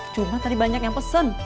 cuma tadi banyak yang pesen